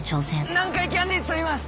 南海キャンディーズといいます！